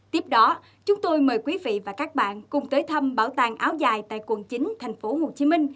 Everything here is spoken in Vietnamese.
tiếp đó chúng tôi mời quý vị và các bạn cùng tới thăm bảo tàng áo dài tại quận chín tp hcm